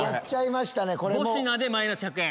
５品でマイナス１００円。